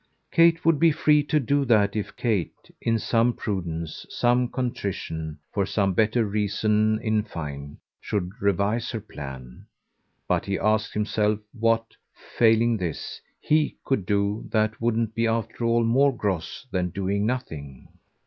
Kate would be free to do that if Kate, in some prudence, some contrition, for some better reason in fine, should revise her plan; but he asked himself what, failing this, HE could do that wouldn't be after all more gross than doing nothing.